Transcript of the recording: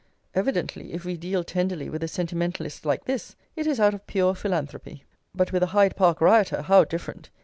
Evidently, if we deal tenderly with a sentimentalist like this, it is out of pure philanthropy. But with the Hyde Park rioter how different!